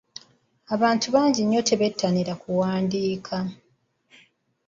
Abantu bangi nnyo tebettanira kuwandiika.